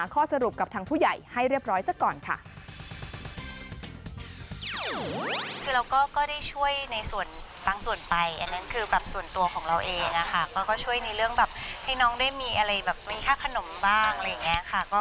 ก็ช่วยในเรื่องแบบให้น้องได้มีอะไรแบบมีค่าขนมบ้างอะไรอย่างนี้ค่ะ